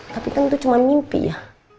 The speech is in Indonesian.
tapi kan itu cuma mimpi ya